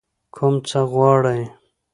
کوم څه غواړئ؟